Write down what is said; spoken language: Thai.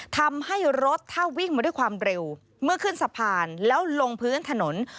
ทำให้รถถ้าวิ่งมาด้วยความเร็วเมื่อขึ้นสะพานแล้วลงพื้นถนน